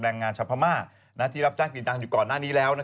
รังงานชาพมากที่รับจ้างชาพมาก